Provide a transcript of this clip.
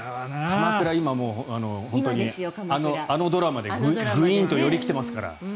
鎌倉、今あのドラマでグイーンとより来ていますから。